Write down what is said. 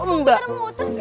eh kok muter muter sih